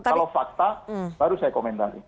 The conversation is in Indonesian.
kalau fakta baru saya komentari